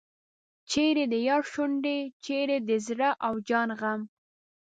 چیرې د یار شونډې چیرې د زړه او جان غم.